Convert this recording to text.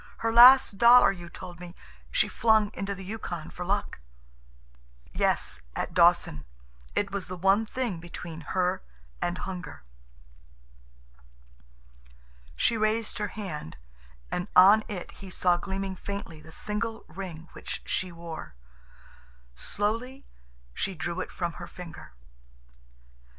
Her last dollar, you told me, she flung into the Yukon for luck." "Yes, at Dawson. It was the one thing between her and hunger." She raised her hand, and on it he saw gleaming faintly the single ring which she wore. Slowly she drew it from her finger.